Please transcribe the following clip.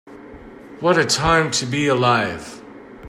What a time to be alive.